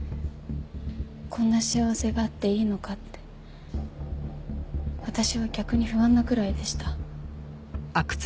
こんな幸せがあっていいのかって私は逆に不安なくらいでした。